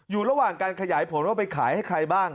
อยู่ระหว่างการขยายผลว่าไปขายให้ใครบ้าง